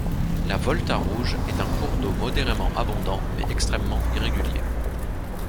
La Volta Rouge est un cours d'eau modérément abondant mais extrêmement irrégulier.